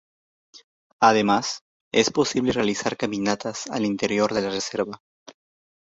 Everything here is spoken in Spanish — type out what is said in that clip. Además es posible realizar caminatas al interior de la Reserva.